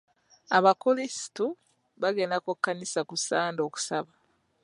Abakulisitu bagenda ku kkanisa ku sande okusaba.